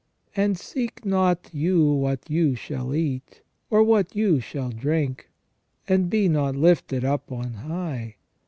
And seek not you what you shall eat, or what you shall drink ; and be not lifted up on high.